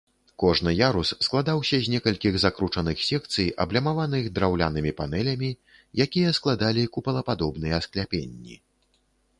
Кожны ярус складаўся з некалькіх закручаных секцый, аблямаваных драўлянымі панэлямі, якія складалі купалападобныя скляпенні.